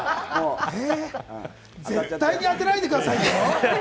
絶対に当てないでくださいよ？